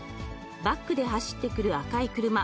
バックで走ってくる赤い車。